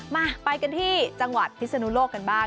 มาไปกันที่จังหวัดพิศนุโลกกันบ้าง